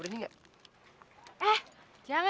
duh terima kasih juga